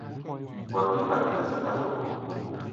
Wa bí mbaɗi nɛ saɗá zɔkɔ́.